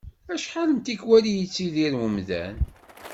Acḥal n tikwal i yettidir umdan.